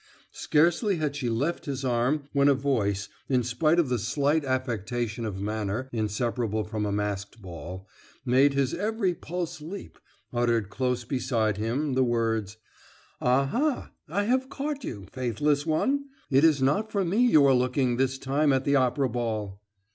Scarcely had she left his arm when a voice, in spite of the slight affectation of manner inseparable from a masked ball, made his every pulse leap, uttered close beside him the words: "Ah ha, I have caught you, faithless one! It is not for me you are looking, this time, at the Opera ball!"